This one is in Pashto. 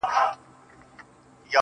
• ستا هغه رنگين تصوير.